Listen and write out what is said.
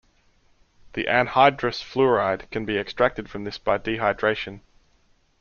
The anhydrous fluoride can be extracted from this by dehydration.